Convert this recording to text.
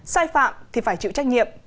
sai phạm thì phải chịu trách nhiệm